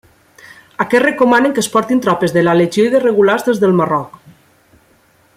Aquests recomanen que es portin tropes de la Legió i de Regulars des del Marroc.